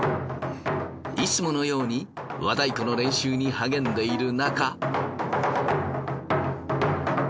いつものように和太鼓の練習に励んでいるなか。